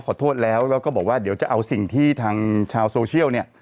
ขอโทษแล้วแล้วก็บอกว่าเดี๋ยวจะเอาสิ่งที่ทางชาวโซเชียลเนี่ย